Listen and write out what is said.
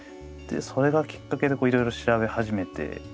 でそれがきっかけでいろいろ調べ始めて。